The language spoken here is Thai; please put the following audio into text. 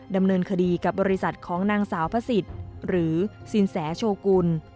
ดำเนินคดีกับบริษัทของนางสาวพระสิทธิ์หรือสินแสโชกุล